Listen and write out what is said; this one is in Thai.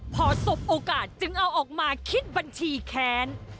พอสบโอกาสจึงเอาออกมาคิดบัญชีแค้น